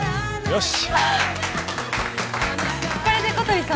よし！